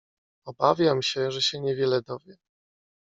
"Obawiam się, że się niewiele dowie."